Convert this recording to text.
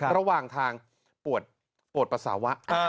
ระหว่างทางปวดปัสสาวะ